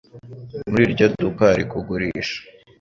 Muri iryo duka hari kugurisha.